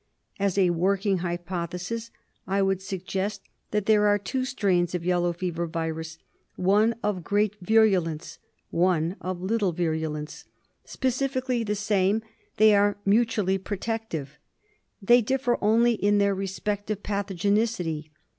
As a working hypothesis I would suggest that there are two strains of yellow fever virus ; one of great viru lence, one of little virulence. Specifically the same, they are mutually protective. They differ only in their respec tive pathogenicity.